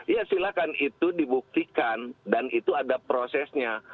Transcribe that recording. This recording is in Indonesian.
ya silahkan itu dibuktikan dan itu ada prosesnya